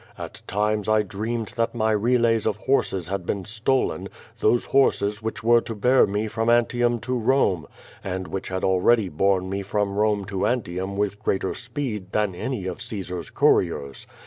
At times, I dreamed that my relays of horses had been stolen, those horses which were to bear me from Antium to Rome, and which had already borne me from Uomc to Antium with greater speed than any of Oaesar's couriers.